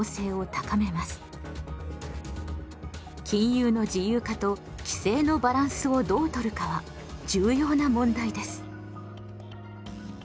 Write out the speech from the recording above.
金融の自由化と規制のバランスをどうとるかは重要な問題です。